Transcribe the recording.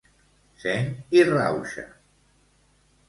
Seny i rauxa.